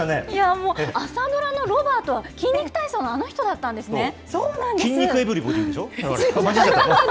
いやもう、朝ドラのロバートは筋肉体操のあの人だったんですそうなんです。